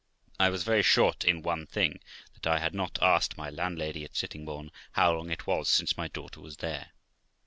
I was very short in one thing, that I had not asked my landlady at Sittingbourne how long it was since my daughter was there.